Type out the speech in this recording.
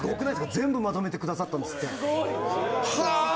全部まとめてくださったんですってすごいはあ！